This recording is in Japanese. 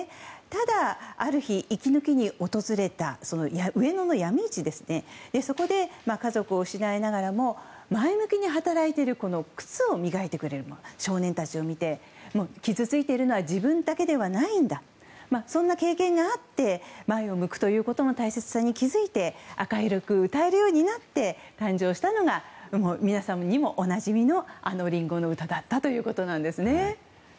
ただ、ある日、息抜きに訪れた上野のヤミ市で家族を失いながらも前向きに働いている靴を磨いてくれる少年たちを見て傷ついているのは自分だけではないんだというそんな経験があって前を向くということの大切さに気付いて明るく歌えるようになって誕生したのが皆さんにもおなじみのあの「リンゴの唄」だったということなんですね。